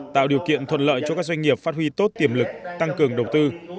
tạo điều kiện thuận lợi cho các doanh nghiệp phát huy tốt tiềm lực tăng cường đầu tư